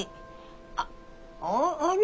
あっあれ？